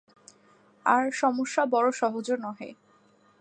আর সমস্যা বড় সহজও নহে।